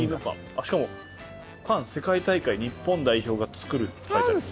あっしかも「パン世界大会日本代表がつくる」って書いてあります。